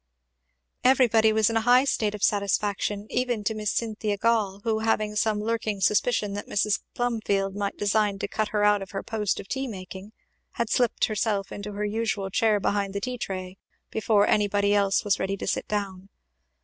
Everybody was in a high state of satisfaction, even to Miss Cynthia Grail; who, having some lurking suspicion that Mrs. Plumfield might design to cut her out of her post of tea making, had slipped herself into her usual chair behind the tea tray before anybody else was ready to sit down.